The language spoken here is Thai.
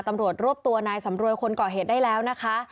ตำรวจรวบตัวนายสำรวยคนก่อเหตุได้แล้วนะคะ